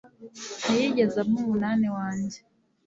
Ntiyigeze ampa umunani wanjye